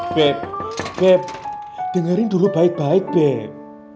beb beb dengerin dulu baik baik beb